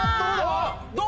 どう？